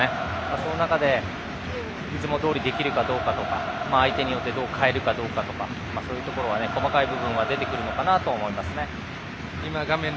その中で、いつもどおりできるかどうかとか相手によってどう変えるかどうかとか細かいところは出てくるかなと思います。